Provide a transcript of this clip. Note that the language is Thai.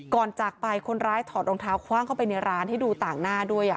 จากไปคนร้ายถอดรองเท้าคว่างเข้าไปในร้านให้ดูต่างหน้าด้วย